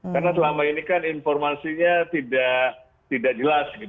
karena selama ini kan informasinya tidak jelas